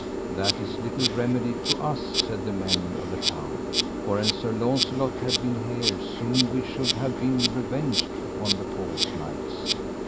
That is little remedy to us, said the men of the town. For an Sir Launcelot had been here soon we should have been revenged upon the false knights.